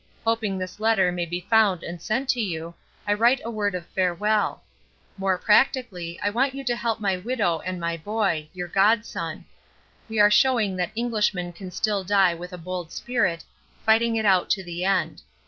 Hoping this letter may be found and sent to you, I write a word of farewell. ... More practically I want you to help my widow and my boy your godson. We are showing that Englishmen can still die with a bold spirit, fighting it out to the end.